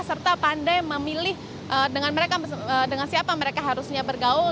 serta pandai memilih dengan siapa mereka harusnya bergaul